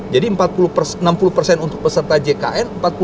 jadi enam puluh untuk peserta jkn